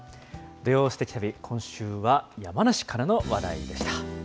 土曜すてき旅、今週は山梨からの話題でした。